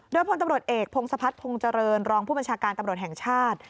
โดยพลตำรวจเอกพงศพัฒนภงเจริญรองผู้บัญชาการตำรวจแห่งชาติ